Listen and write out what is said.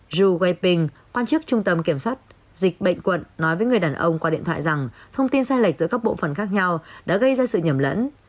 ju wiping quan chức trung tâm kiểm soát dịch bệnh quận nói với người đàn ông qua điện thoại rằng thông tin sai lệch giữa các bộ phận khác nhau đã gây ra sự nhầm lẫn